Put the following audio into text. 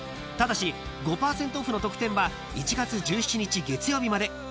［ただし５％オフの特典は１月１７日月曜日まで］